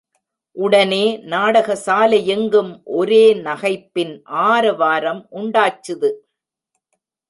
உடனே நாடகசாலையெங்கும் ஒரே நகைப்பின் ஆரவாரம் உண்டாச்சுது!